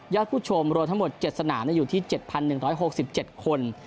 ผู้ชมรวมทั้งหมด๗สนามอยู่ที่๗๑๖๗คน